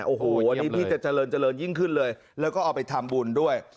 โอ้โหวันนี้พี่จะเจริญเจริญยิ่งขึ้นเลยแล้วก็เอาไปทำบุญด้วย